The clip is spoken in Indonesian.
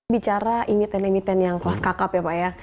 bicara emiten emiten yang kelas kakap ya pak ya